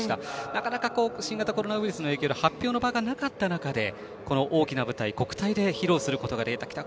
なかなか新型コロナウイルスの影響で発表の場がなかったことでこの大きな舞台、国体で披露することができた。